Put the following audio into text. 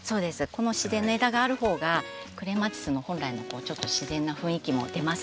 この自然の枝があるほうがクレマチスの本来のちょっと自然な雰囲気も出ますし。